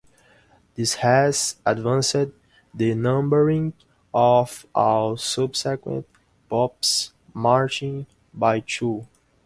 This has advanced the numbering of all subsequent Popes Martin by two.